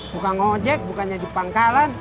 bukan ngojek bukannya di pangkalan